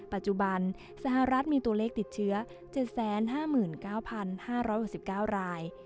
ปัจจุบันสหรัฐมีตัวเลขติดเชื้อ๗๕๙๕๖๙ราย